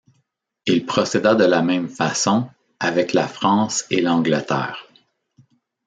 Il procéda de la même façon avec la France et l'Angleterre.